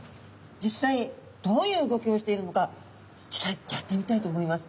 実際どういう動きをしているのか実際やってみたいと思います。